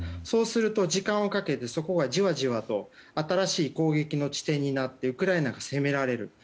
そうすると時間をかけてそこがじわじわと新しい攻撃の地点になってウクライナが攻められる。